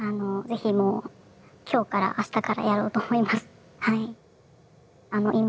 是非もう今日からあしたからやろうと思います。